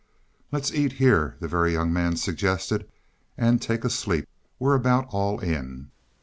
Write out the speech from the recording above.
"Let's eat here," the Very Young Man suggested, "and take a sleep; we're about all in."